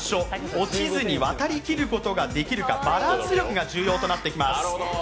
落ちずに渡りきることができるかバランス力が重要となってきます。